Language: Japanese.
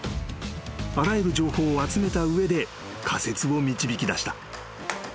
［あらゆる情報を集めた上で仮説を導きだした］